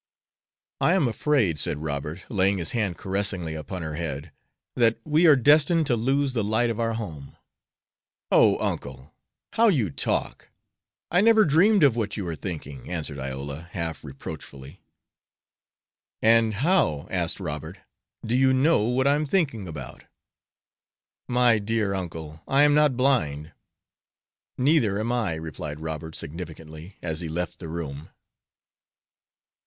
"I am afraid," said Robert, laying his hand caressingly upon her head, "that we are destined to lose the light of our home." "Oh, uncle, how you talk! I never dreamed of what you are thinking," answered Iola, half reproachfully. "And how," asked Robert, "do you know what I am thinking about?" "My dear uncle, I'm not blind." "Neither am I," replied Robert, significantly, as he left the room.